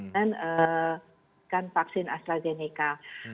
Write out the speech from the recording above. dengan vaksin astrazeneca